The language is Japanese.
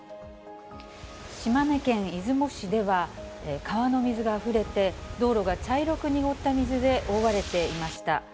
島根県出雲市では川の水があふれて、道路が茶色く濁った水で覆われていました。